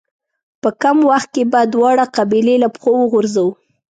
په کم وخت کې به دواړه قبيلې له پښو وغورځوو.